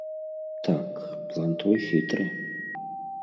Так, план твой хітры.